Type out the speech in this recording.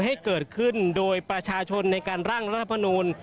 ให้เกิดขึ้นโดยประชาชนในการร่างรัฐมนูล